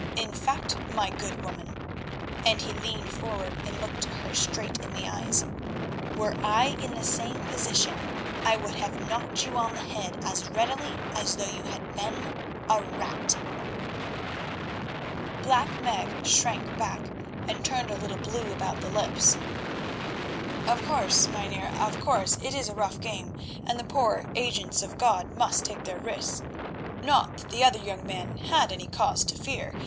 In fact, my good woman," and he leaned forward and looked her straight in the eyes, "were I in the same position I would have knocked you on the head as readily as though you had been a rat." Black Meg shrank back, and turned a little blue about the lips. "Of course, Mynheer, of course, it is a rough game, and the poor agents of God must take their risks. Not that the other young man had any cause to fear.